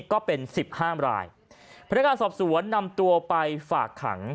ก็เป็นสิบห้ามรายพนักการสอบสวนนำตัวไปฝากขัง